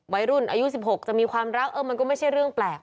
อายุ๑๖จะมีความรักเออมันก็ไม่ใช่เรื่องแปลก